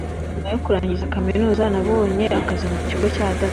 nyuma yo kurangiza kaminuza, nabonye akazi mu kigo cya data